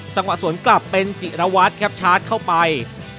จังหวะสวนกลับเป็นจิรวัตรครับชาร์จเข้าไป